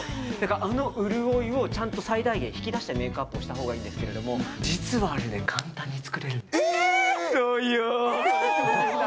あの潤いをちゃんと最大限引き出してメイクアップをしたほうがいいんですけれども実はあれね簡単に作れるんです。